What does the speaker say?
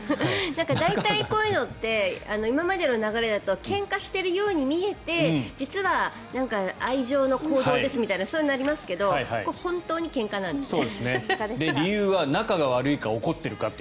大体、こういうのって今までの流れだとけんかしているように見えて実は愛情の行動ですみたいなそうなりますけどこれ、本当にけんかなんですね。